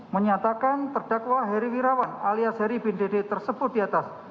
satu menyatakan terdakwa heri wirawan alias heri bindede tersebut di atas